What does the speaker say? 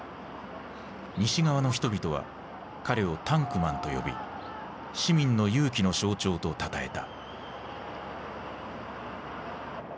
西側の人々は彼を「タンクマン」と呼び市民の勇気の象徴とたたえた。